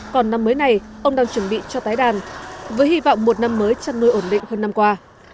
còn năm mới này ông đang chuẩn bị cho tái đàn với hy vọng một năm mới chăn nuôi ổn định hơn năm qua